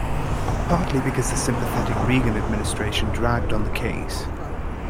Partly because the sympathetic Reagan administration dragged on the case.